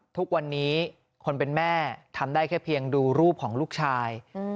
ทุกวันนี้คนเป็นแม่ทำได้แค่เพียงดูรูปของลูกชาย